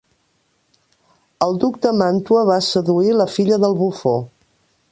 El Duc de Màntua va seduir la filla del bufó.